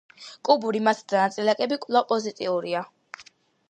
კუბური მასა და ნაწილაკები კვლავ პოზიტიურია.